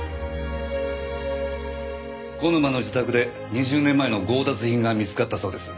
小沼の自宅で２０年前の強奪品が見つかったそうです。